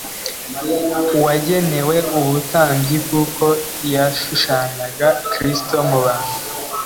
wagenewe ubutambyi kuko yashushanyaga Kristo mu bantu.